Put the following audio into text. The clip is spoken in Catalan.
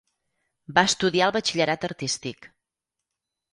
Va estudiar el Batxillerat artístic.